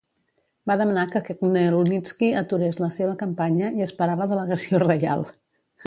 Va demanar que Khmelnitski aturés la seva campanya i esperar la delegació reial.